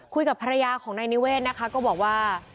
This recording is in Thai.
คุยกับภรรยาของนายนิเวศนะคะก็บอกว่า